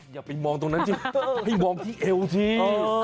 อย่าไปมองตรงนั้นสิให้มองที่เอวสิ